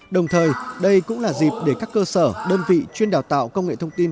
đồng thời đây cũng là dịp để các cơ sở đơn vị chuyên đào tạo công nghệ thông tin